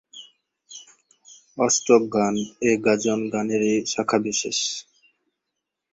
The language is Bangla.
অষ্টকগান এ গাজন গানেরই শাখাবিশেষ।